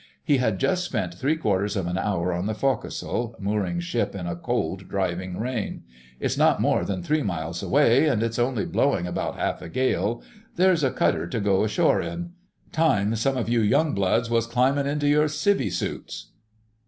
He had just spent three quarters of an hour on the forecastle, mooring ship in a cold, driving rain. "It's not more than three miles away, and it's only blowing about half a gale—there's a cutter to go ashore in; time some of you young bloods were climbing into your 'civvy'[#] suits."